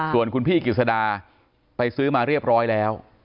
ส่วนคุณพี่กิจสดาไปซื้อมาเรียบร้อยแล้ว